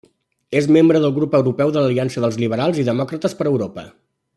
És membre del grup europeu de l'Aliança dels Liberals i Demòcrates per Europa.